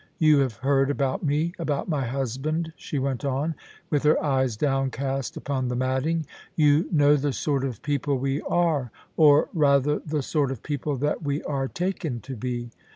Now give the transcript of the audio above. You have heard about me— about my husband,* she went on, with her eyes downcast upon the matting. * You know the sort of people we are, or, rather, the sort of people that we are taken to be.